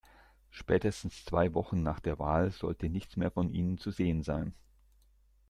Spätestens zwei Wochen nach der Wahl sollte nichts mehr von ihnen zu sehen sein.